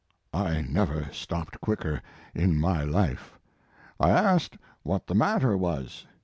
I never stopped quicker in my life. I asked what the matter was.